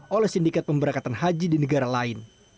oleh sindikat pemberangkatan haji di negara lain